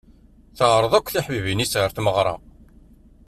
Teɛreḍ-d akk tiḥbibin-is ɣer tmeɣra-s.